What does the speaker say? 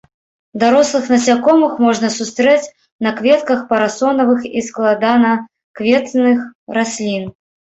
Дарослых насякомых можна сустрэць на кветках парасонавых і складанакветных раслін.